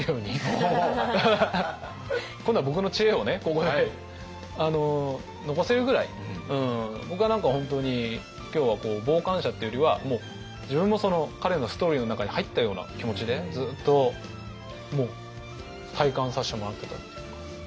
おお！今度は僕の知恵をここで残せるぐらい僕は何か本当に今日は傍観者っていうよりはもう自分も彼のストーリーの中に入ったような気持ちでずっと体感させてもらったというか。